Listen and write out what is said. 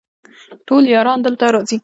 ټول یاران دلته راځي